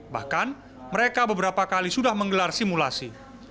bahkan mereka beberapa kali sudah menggelar simulasi